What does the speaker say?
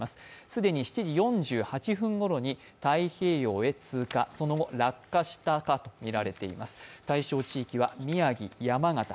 既に７時４８分ごろに太平洋へ通過、その後、落下したとみられています